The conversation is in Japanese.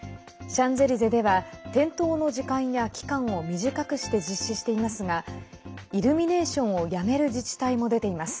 シャンゼリゼでは点灯の時間や期間を短くして実施していますがイルミネーションをやめる自治体も出ています。